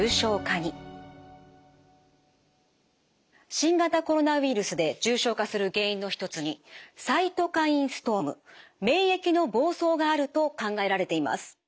新型コロナウイルスで重症化する原因の一つにサイトカインストーム免疫の暴走があると考えられています。